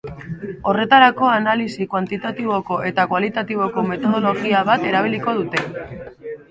Horretarako, analisi kuantitatiboko eta kualitatiboko metodologia bat erabiliko dute.